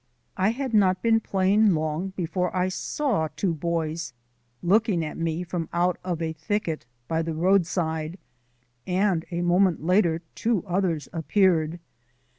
I had not been playing long before I saw two boys looking at me from out of a thicket by the roadside; and a moment later two others appeared.